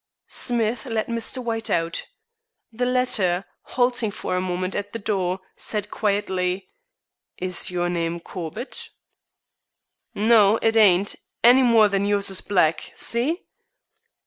Smith let Mr. White out. The latter, halting for a moment at the door, said quietly, "Is your name Corbett?" "No, it ain't, any more than yours is Black. See?"